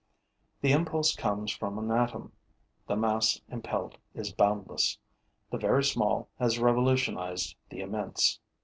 The impulse comes from an atom; the mass impelled is boundless. The very small has revolutionized the immense.